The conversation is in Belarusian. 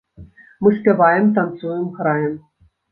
Мы спяваем, танцуем, граем.